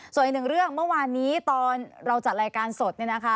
ส่วนอีกหนึ่งเรื่องเมื่อวานนี้ตอนเราจัดรายการสดเนี่ยนะคะ